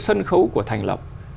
sân khấu của thành lập